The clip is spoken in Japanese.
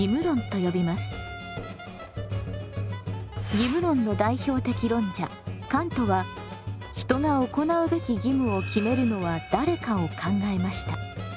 義務論の代表的論者カントは人が行うべき義務を決めるのは誰かを考えました。